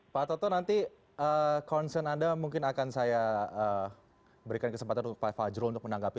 pak toto nanti concern anda mungkin akan saya berikan kesempatan untuk pak fajrul untuk menanggapi